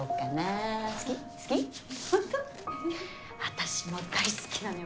私も大好きなのよ